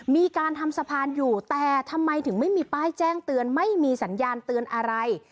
มีการทำสะพานอยู่แต่ทำไมถึงไม่มีป้ายแจ้งเตือนไม่มีสัญญาณเตือนอะไร